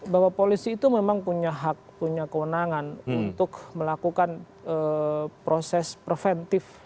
bahwa polisi itu memang punya hak punya kewenangan untuk melakukan proses preventif